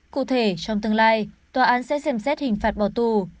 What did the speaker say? cụ thể trong tương lai tòa án sẽ xem xét hình phạt bỏ tù